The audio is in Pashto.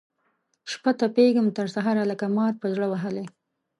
شپه تپېږم تر سهاره لکه مار پر زړه وهلی